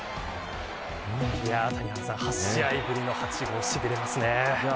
谷原さん、８試合ぶりの８号しびれますね。